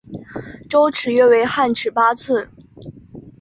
周尺约为汉尺八寸。